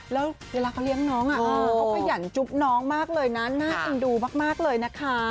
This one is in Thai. แล้วเวลาเขาเลี้ยงน้องเขาขยันจุ๊บน้องมากเลยนะน่าเอ็นดูมากเลยนะคะ